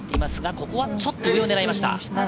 ここはちょっと上を狙いました。